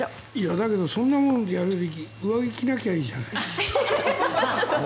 そんなものでやるより上着を着なきゃいいじゃない。